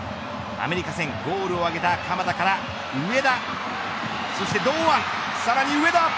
アメリカ戦ゴールを挙げた鎌田から上田そして堂安さらに上田。